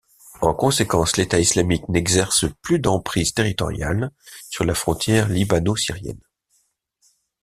En conséquence, l'État islamique n'exerce plus d'emprise territoriale sur la frontière libano-syrienne.